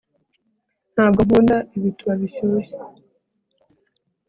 ntabwo nkunda ibituba bishyushye